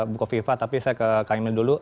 bukoviva tapi saya ke kmn dulu